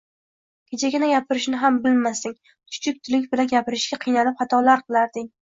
Kechagina gapirishni ham bilmasding, chuchuk tiling bilan gapirishga qiynalib xatolar qilarding